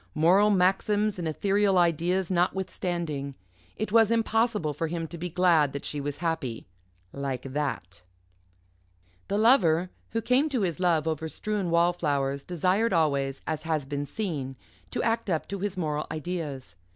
Moral maxims and ethereal ideas notwithstanding, it was impossible for him to be glad that she was happy like that. The Lover who came to his love over strewn wallflowers desired always, as has been seen, to act up to his moral ideas.